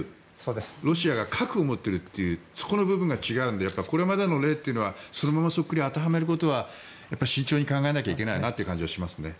ロシアが核を持っている部分が違うのでこれまでの例というのはそのままそっくり当てはめることは慎重に考えなきゃいけないなという感じがします。